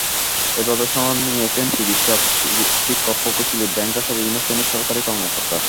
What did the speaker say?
এভাবে সনদ নিয়েছেন চিকিৎসক, শিক্ষক, প্রকৌশলী, ব্যাংকারসহ বিভিন্ন শ্রেণীর সরকারি কর্মকর্তা।